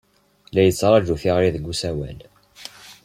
La yettṛaju tiɣri deg usawal.